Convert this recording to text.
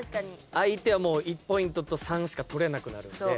相手は１ポイントと３しか取れなくなるんで。